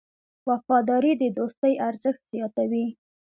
وفاداري د دوستۍ ارزښت زیاتوي.